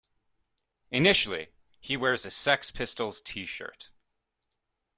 Initially, he wears a Sex Pistols t-shirt.